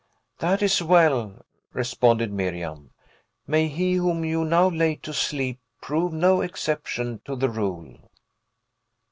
"That is well," responded Miriam; "may he whom you now lay to sleep prove no exception to the rule!"